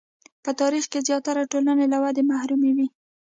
په تاریخ کې زیاتره ټولنې له ودې محرومې وې.